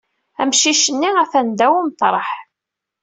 Amcic-nni atan ddaw umeṭreḥ.